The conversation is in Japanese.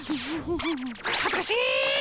はずかしっ！